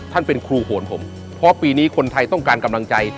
เป็นครูโหนผมเพราะปีนี้คนไทยต้องการกำลังใจ